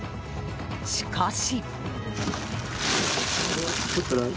しかし。